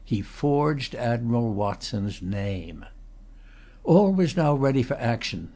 He forged Admiral Watson's name. All was now ready for action. Mr.